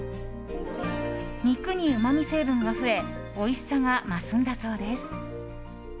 肉にうまみ成分が増えおいしさが増すんだそうです。